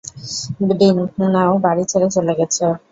ভীনাও বাড়ি ছেড়ে চলে গেছে।